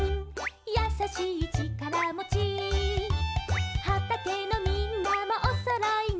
「やさしいちからもち」「はたけのみんなもおそろいね」